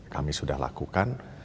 kami sudah lakukan